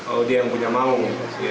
oh dia yang punya malung